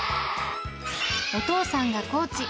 お父さんがコーチ。